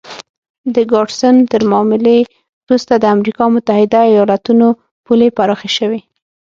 د ګاډسن تر معاملې وروسته د امریکا متحده ایالتونو پولې پراخې شوې.